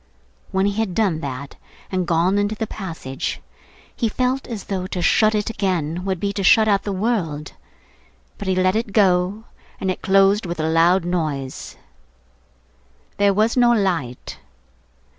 When he had done that, and gone into the passage, he felt as though to shut it again would be to shut out the world. But he let it go, and it closed with a loud noise. There was no light.